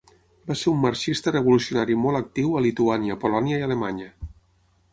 Va ser un marxista revolucionari molt actiu a Lituània, Polònia i Alemanya.